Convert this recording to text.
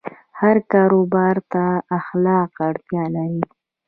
هر کاروبار ته اخلاق اړتیا لري.